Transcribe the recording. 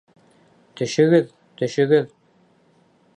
Төшөгөҙ, төшөгөҙ!